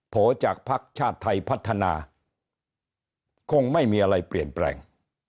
โจจากภักดิ์ชาติไทยพัฒนาคงไม่มีอะไรเปลี่ยนแปลง